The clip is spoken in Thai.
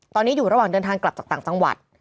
ตอนนี้อยู่ระหว่างเดินทางกลับจากต่างจังหวัด